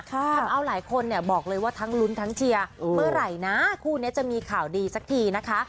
ทำเอาหลายคนเนี่ยบอกเลยว่าทั้งลุ้นทั้งเชียร์เมื่อไหร่นะคู่นี้จะมีข่าวดีสักทีนะคะ